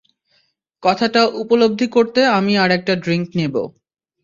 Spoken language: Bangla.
কথাটা উপলব্ধি করতে আমি আর একটা ড্রিঙ্ক নেব।